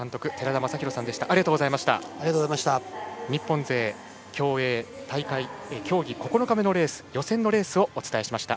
日本勢、競泳競技９日目のレース予選のレースをお伝えしました。